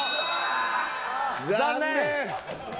残念。